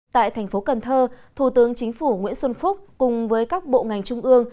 tại thành phố cần thơ thủ tướng chính phủ nguyễn xuân phúc cùng với các bộ ngành trung ương